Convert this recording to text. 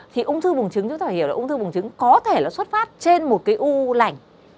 thì ung thư bùng trứng chúng ta phải hiểu là ung thư bùng trứng có thể nó xuất phát trên một cái u lành